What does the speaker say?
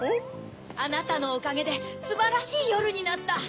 あなたのおかげですばらしいよるになった！